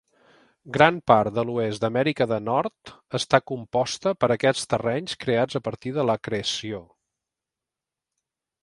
Gran part de l'oest d'Amèrica de Nord està composta per aquests terrenys creats a partir de l'acreció.